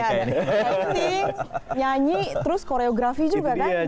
ini nyanyi terus koreografi juga kan